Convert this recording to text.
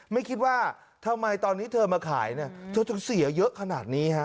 ไม่คิดว่าทำไมตอนนี้เธอมาขายเนี่ยเธอถึงเสียเยอะขนาดนี้ฮะ